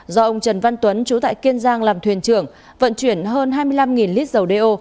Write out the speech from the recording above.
do ông trần văn tuấn chú tại kiên giang làm thuyền trưởng vận chuyển hơn hai mươi năm lít dầu đeo